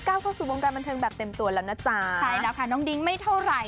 เข้าสู่วงการบันเทิงแบบเต็มตัวแล้วนะจ๊ะใช่แล้วค่ะน้องดิ้งไม่เท่าไหร่